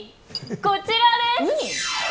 こちらです。